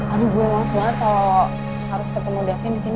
aduh gue emang semangat kalo harus ketemu davin disini